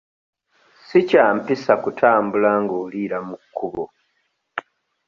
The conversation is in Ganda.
Si kya mpisa kutambula ng'oliira mu kkubo.